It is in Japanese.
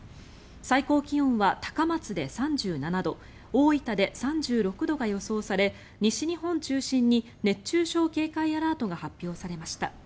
最高気温は高松で３７度大分で３６度が予想され西日本を中心に熱中症警戒アラートが発表されました。